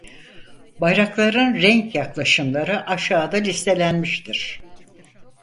Bayrakların renk yaklaşımları aşağıda listelenmiştir: